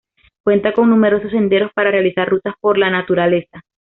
Cuenta con numerosos senderos para realizar rutas por la naturaleza.